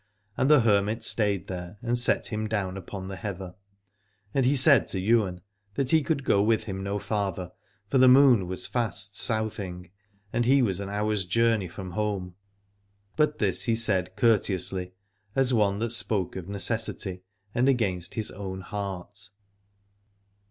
And the hermit stayed there and set him down upon the heather, and he said to Ywain that he could go with him no farther, for the moon was fast southing and he was an hour's journey from home. But this he said courteously, as one that spoke of necessity and against his own heart.